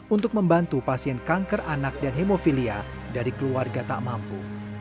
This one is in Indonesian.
untuk membantu pasien kanker anak dan hemofilia dari keluarga tak mampu